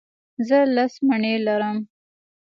زه لس مڼې لرم.